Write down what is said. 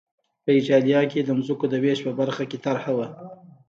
په اېټالیا کې د ځمکو د وېش په برخه کې طرحه وه